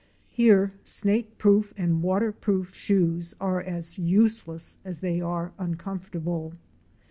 Here snake proof and water proof shoes are as useless as they are uncomfortable.